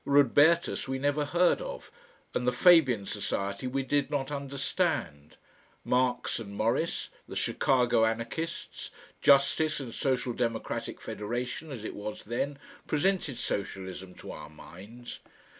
Rodbertus we never heard of and the Fabian Society we did not understand; Marx and Morris, the Chicago Anarchists, JUSTICE and Social Democratic Federation (as it was then) presented socialism to our minds.